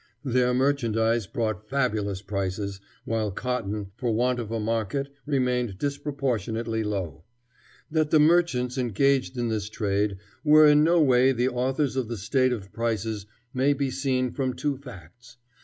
Their merchandise brought fabulous prices, while cotton, for want of a market, remained disproportionately low. That the merchants engaged in this trade were in no way the authors of the state of prices may be seen from two facts.